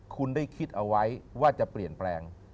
คุณได้คิดเอาไว้ว่าจะเปลี่ยนแปลง